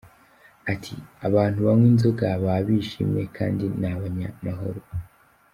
Ati: “Abantu banywa inzoga baba bishimye kandi ni abanyamahoro.